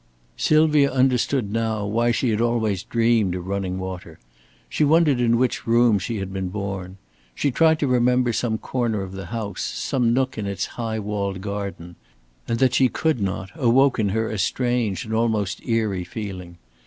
Sylvia understood now why she had always dreamed of running water. She wondered in which room she had been born. She tried to remember some corner of the house, some nook in its high walled garden; and that she could not awoke in her a strange and almost eery feeling.